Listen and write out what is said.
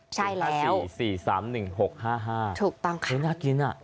ใช่แล้วถูกต้องค่ะน่ากินอ่ะ